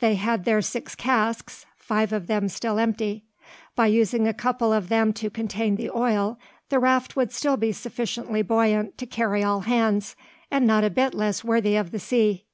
They had their six casks, five of them still empty. By using a couple of them to contain the oil, the raft would still be sufficiently buoyant to carry all hands, and not a bit less worthy of the sea.